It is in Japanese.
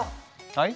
はい。